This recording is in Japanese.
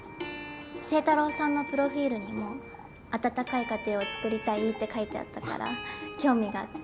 清太郎さんのプロフィールにも温かい家庭を作りたいって書いてあったから興味があって。